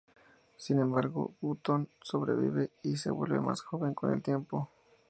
Sin embargo, Button sobrevive y se vuelve más joven con el tiempo.